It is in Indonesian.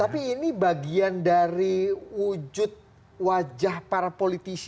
tapi ini bagian dari wujud wajah para politisi